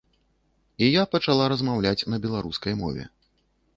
І я пачала размаўляць на беларускай мове.